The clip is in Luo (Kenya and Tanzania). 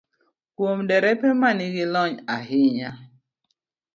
Kuom derepe ma nigi lony ahinya,